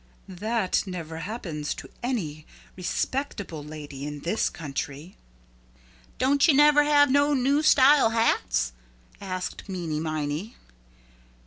"That never happens to any respectable lady in this country." "Don't you never have no new style hats?" asked Meeney Miney.